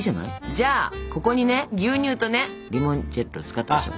じゃあここにね牛乳とねリモンチェッロ使ったでしょ？